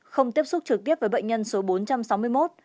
không tiếp xúc trực tiếp với bệnh nhân số bốn trăm sáu mươi một